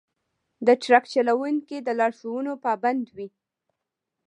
د ټرک چلوونکي د لارښوونو پابند وي.